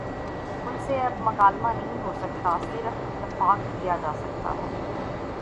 ان سے اب مکالمہ نہیں ہو سکتا صرف اتفاق کیا جا سکتا ہے۔